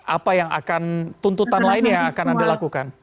apa yang akan tuntutan lainnya yang akan anda lakukan